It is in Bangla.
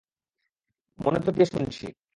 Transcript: মনোযোগ দিয়ে শুনছি।